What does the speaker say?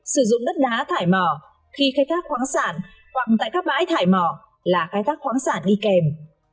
sử dụng đất đá thải mò khi khai thác khoáng sản hoặc tại các bãi thải mò là khai thác khoáng sản y kèm